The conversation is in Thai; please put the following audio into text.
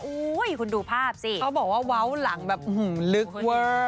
อู๊ยคุณดูภาพสิอู๋เขาบอกว่าเวาหลังแบบหือลึกเว่อ